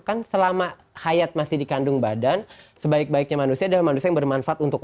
kan selama hayat masih dikandung badan sebaik baiknya manusia adalah manusia yang bermanfaat untuk